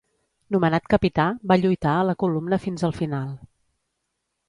Nomenat capità, va lluitar a la columna fins al final.